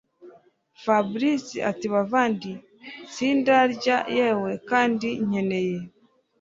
Fabric atibavandi sindanarya yewe kandi nkeneye